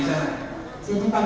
lalu pak gepang